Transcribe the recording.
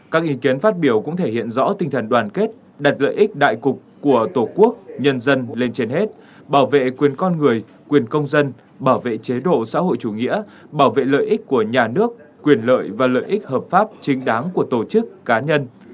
các ý kiến phát biểu cũng thể hiện rõ tinh thần đoàn kết đặt lợi ích đại cục của tổ quốc nhân dân lên trên hết bảo vệ quyền con người quyền công dân bảo vệ chế độ xã hội chủ nghĩa bảo vệ lợi ích của nhà nước quyền lợi và lợi ích hợp pháp chính đáng của tổ chức cá nhân